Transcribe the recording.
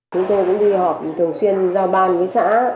chúng tôi cũng đi họp thường xuyên giao ban với xã